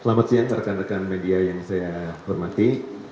selamat siang rekan rekan media yang saya hormati